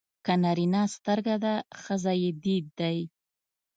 که نارینه سترګه ده ښځه يې دید دی.